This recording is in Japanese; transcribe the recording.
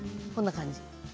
こんな感じ。